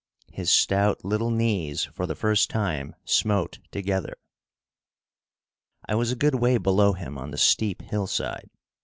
His stout little knees for the first time smote together. I was a good way below him on the steep hillside.